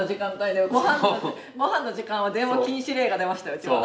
ごはんの時間は電話禁止令が出ましたうちは。